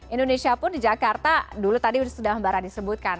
indonesia pun di jakarta dulu tadi sudah barang disebutkan